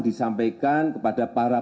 disampaikan kepada para